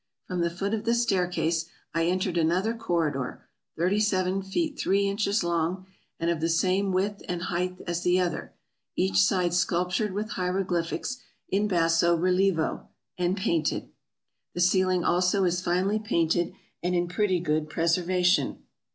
From the foot of the staircase I entered another corridor, thirty seven feet three inches long, and of the same width and height as the other, each side sculptured with hieroglyphics in basso rilievo, and painted. The ceiling also is finely painted, and in pretty good preservation.